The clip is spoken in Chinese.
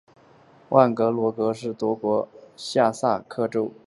万格罗格是德国下萨克森州的一个市镇。